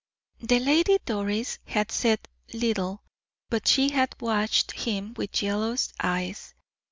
The Lady Doris had said little, but she had watched him with jealous eyes.